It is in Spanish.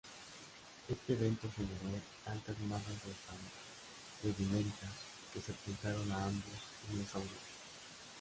Este evento generó altas masas de fango-sedimentos que sepultaron a ambos dinosaurios.